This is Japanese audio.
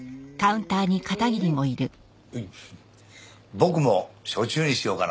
僕も焼酎にしようかな。